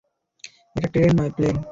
এটা ট্রেন নয়, প্লেন।